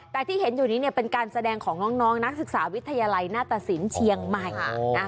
แต่ที่เห็นอยู่นี้เป็นการแสดงของน้องนักศึกษาวิทยาลัยหน้าตสินเชียงใหม่